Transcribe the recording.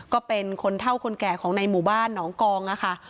ก็เป็นคนเท่าคนแก่ของในหมู่บ้านหนองกองค่ะ